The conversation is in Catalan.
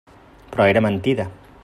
Però era mentida.